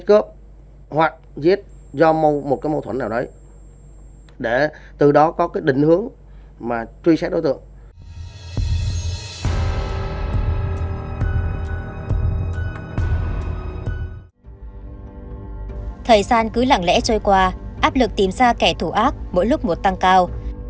thời gian cứ lặng lẽ trôi qua áp lực tìm ra kẻ thủ ác mỗi lúc một tăng cao